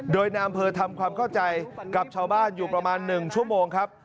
โดยนายอำเภอทำความเข้าใจกับชาวบ้านอยู่ประมาณ๑ชั่วโมงครับ